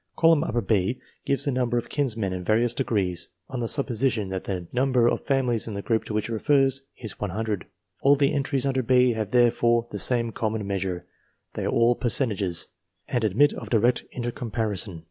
Column B gives the number of eminent kinsmen in various degrees on the supposition that the number of families in the group to which it refers is 100. All the entries under B have therefore the same common measure, they are all fercentages, and admit of direct intercomparison.